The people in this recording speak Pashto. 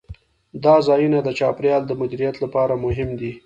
دا ځایونه د چاپیریال د مدیریت لپاره مهم دي.